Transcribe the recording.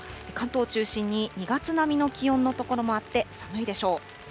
関東を中心に２月並みの気温の所もあって、寒いでしょう。